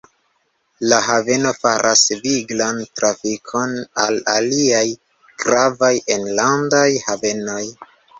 La haveno faras viglan trafikon al aliaj gravaj enlandaj havenoj.